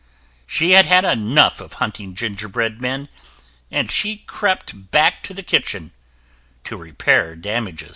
She had had enough of hunting gingerbread men, and she crept back to the kitchen to repair damages.